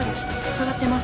伺ってます。